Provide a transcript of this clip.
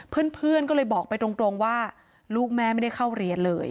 เพื่อนก็เลยบอกไปตรงว่าลูกแม่ไม่ได้เข้าเรียนเลย